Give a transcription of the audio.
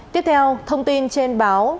tiếp theo thông tin trên báo